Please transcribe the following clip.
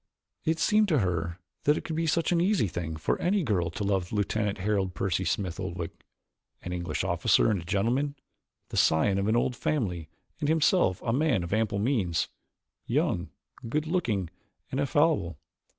It seemed to her that it could be such an easy thing for any girl to love Lieutenant Harold Percy Smith Oldwick an English officer and a gentleman, the scion of an old family and himself a man of ample means, young, good looking and affable.